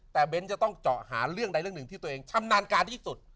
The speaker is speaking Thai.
แต่เบ้นจะต้องเจาะหาเรื่องใดเรื่องหนึ่งที่ตัวเองชำนาญการที่สุด